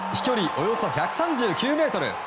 およそ１３９ｍ。